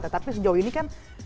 tetapi sejauh ini kan